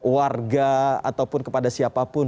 warga ataupun kepada siapapun